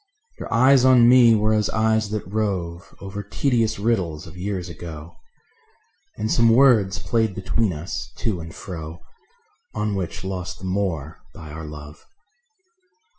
Your eyes on me were as eyes that rove Over tedious riddles of years ago; And some words played between us to and fro On which lost the more by our love.